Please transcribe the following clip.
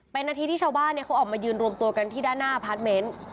เป็นนาทีที่ชาวบ้านเขาออกมายืนรวมตัวกันที่ด้านหน้าพาร์ทเมนต์